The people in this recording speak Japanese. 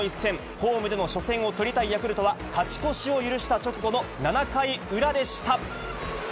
ホームでの初戦を取りたいヤクルトは、勝ち越しを許した直後の７回裏でした。